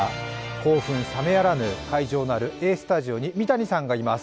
興奮冷めやらぬ会場のあるＡスタジオに三谷さんがいます。